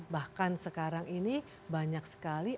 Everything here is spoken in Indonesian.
bahkan sekarang ini banyak sekali